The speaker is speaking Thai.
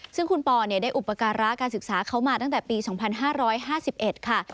ซึ่งคุณปอร์เนี่ยได้อุปกรณ์รักษ์การศึกษาเขามาตั้งแต่ปี๒๕๕๑ค่ะ